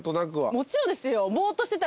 もちろんですよ。